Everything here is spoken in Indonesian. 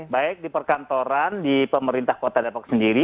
baik di perkantoran di pemerintah kota depok sendiri